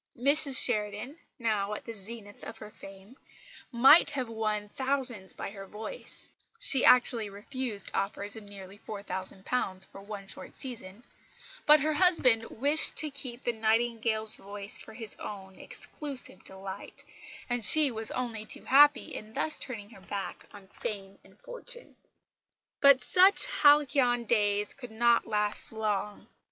Mrs Sheridan, now at the zenith of her fame, might have won thousands by her voice she actually refused offers of nearly £4000 for one short season but her husband wished to keep the Nightingale's voice for his own exclusive delight; and she was only too happy in thus turning her back on fame and fortune. But such halcyon days could not last long.